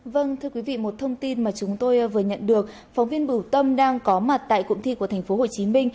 vâng thưa quý vị một thông tin mà chúng tôi vừa nhận được phóng viên bửu tâm đang có mặt tại cụm thi của tp hcm